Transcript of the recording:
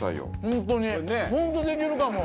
本当できるかも！